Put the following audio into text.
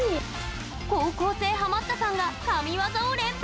高校生ハマったさんが神業を連発！